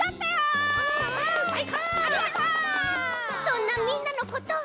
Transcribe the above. そんなみんなのこと